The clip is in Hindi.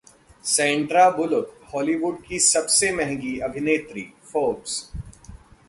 सैंड्रा बुलॉक हॉलीवुड की सबसे महंगी अभिनेत्री: फोर्ब्स